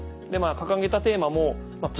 掲げたテーマも。